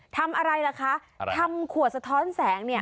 ทำอะไรล่ะคะทำขวดสะท้อนแสงเนี่ย